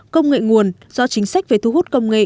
công nghệ nguồn do chính sách về thu hút công nghệ